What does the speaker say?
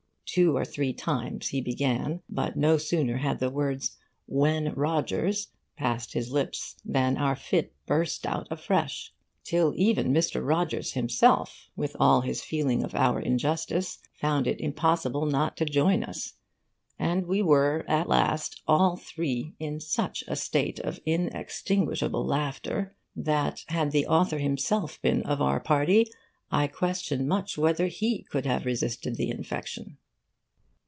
Two or three times he began; but no sooner had the words "When Rogers" passed his lips, than our fit burst out afresh, till even Mr. Rogers himself, with all his feeling of our injustice, found it impossible not to join us; and we were, at last, all three in such a state of inextinguishable laughter, that, had the author himself been of our party, I question much whether he could have resisted the infection.